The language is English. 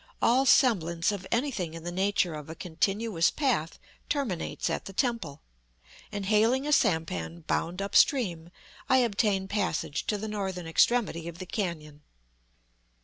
All semblance of anything in the nature of a continuous path terminates at the temple, and hailing a sampan bound up stream, I obtain passage to the northern extremity of the canyon.